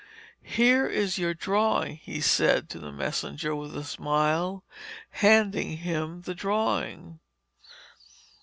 'Here is your drawing,' he said to the messenger, with a smile, handing him the drawing.